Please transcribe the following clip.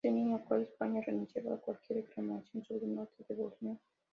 En el mismo acuerdo, España renunciaba a cualquier reclamación sobre el norte de Borneo.